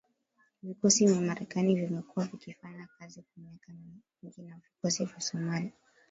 Vikosi vya Marekani vimekuwa vikifanya kazi kwa miaka mingi na vikosi vya Somalia